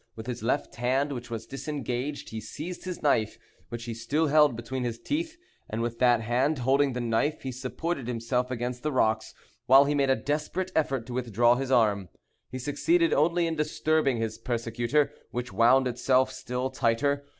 With his left hand, which was disengaged, he seized his knife, which he still held between his teeth, and with that hand, holding the knife, he supported himself against the rocks, while he made a desperate effort to withdraw his arm. He succeeded only in disturbing his persecutor, which wound itself still tighter.